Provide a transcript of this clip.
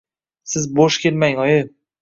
Siz bo`sh kelmang, oyi